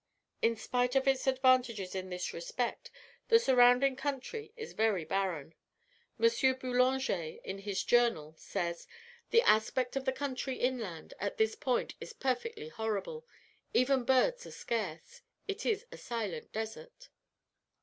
In spite of its advantages in this respect, the surrounding country is very barren. M. Boullanger in his "Journal" says, "The aspect of the country inland at this point is perfectly horrible; even birds are scarce: it is a silent desert."